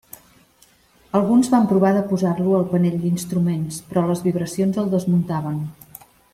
Alguns van provar de posar-lo al panell d'instruments, però les vibracions el desmuntaven.